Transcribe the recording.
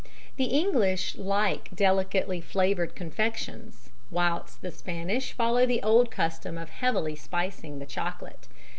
The English like delicately flavoured confections, whilst the Spanish follow the old custom of heavily spicing the chocolate.